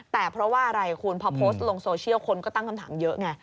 แต่เพราะว่าอะไรคุณพอโพสต์ลงโซเชียลคนก็ตั้งคำถามเยอะไง